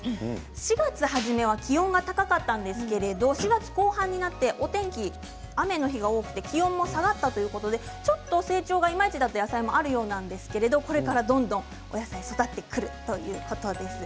４月初め気温が高かったんですけど後半になってお天気、雨の日が多くなって気温も下がったということで成長がいまいちだった野菜もあるようなんですがこれから、どんどん野菜が育ってくるということです。